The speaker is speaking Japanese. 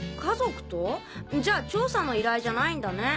じゃあ調査の依頼じゃないんだね。